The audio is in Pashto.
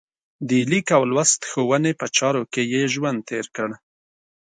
د لیک او لوست ښوونې په چارو کې یې ژوند تېر کړ.